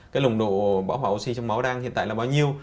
cái nồng độ bão hỏa oxy trong máu đang hiện tại là bao nhiêu